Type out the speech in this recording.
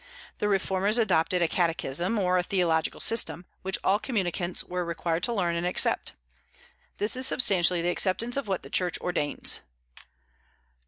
The Reformers adopted a catechism, or a theological system, which all communicants were required to learn and accept. This is substantially the acceptance of what the Church ordains.